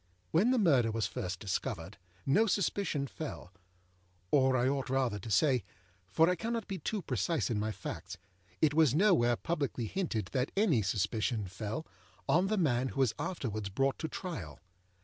When the murder was first discovered, no suspicion fellâor I ought rather to say, for I cannot be too precise in my facts, it was nowhere publicly hinted that any suspicion fellâon the man who was afterwards brought to trial.